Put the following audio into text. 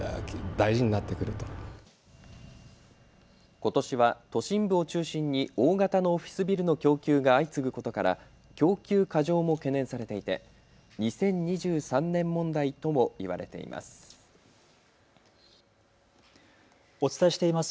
ことしは都心部を中心に大型のオフィスビルの供給が相次ぐことから供給過剰も懸念されていて２０２３年問題とも言われています。